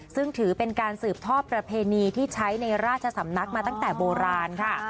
ซึ่งถือเป็นการสืบทอดประเพณีที่ใช้ในราชสำนักมาตั้งแต่โบราณค่ะ